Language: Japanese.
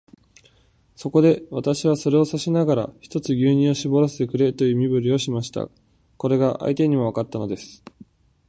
そこで、私はそれを指さしながら、ひとつ牛乳をしぼらせてくれという身振りをしました。これが相手にもわかったのです。